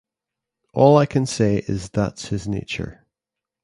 All I can say is that's his nature